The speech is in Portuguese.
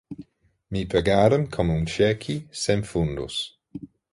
Me pagaram com um cheque sem fundos.